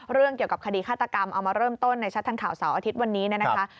เรื่องเกี่ยวกับคดีฆาตกรรมเอามาเริ่มต้นในชัดทางข่าวเสาร์อาทิตย์วันนี้เนี่ยนะคะ